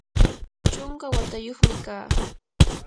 chunka watayuqmi kaa.